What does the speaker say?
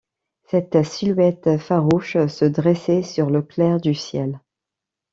Cette silhouette farouche se dressait sur le clair du ciel.